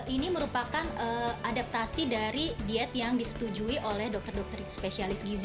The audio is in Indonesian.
ini merupakan adaptasi dari diet yang disetujui oleh dokter dokter spesialis gizi